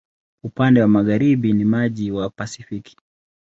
Upande wa magharibi ni maji wa Pasifiki.